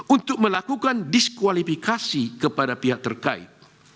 untuk melakukan diskualifikasi kepada pihak terkait